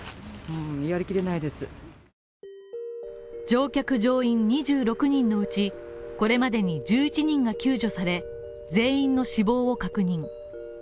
乗客・乗員２６人のうちこれまでに１１人が救助され全員の死亡を確認。